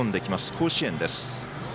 甲子園です。